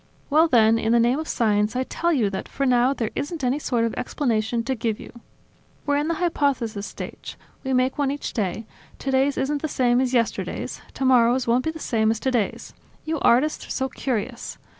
Well then, in the name of science, I tell you that, for now, there isn't any sort of explanation to give you. We're in the hypothesis stage. We make one each day; today's isn't the same as yesterday's; tomorrow's won't be the same as today's. You artists are so curious!